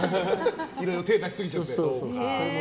いろいろと手を出しすぎちゃってね。